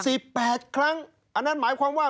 สิบแปดครั้งอันนั้นหมายความว่า